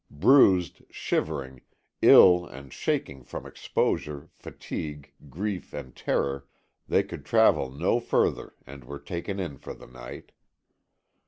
Bruised, shivering, ill and shaking from exposure, fatigue, grief and terror, they could travel no further, and were taken in for the night.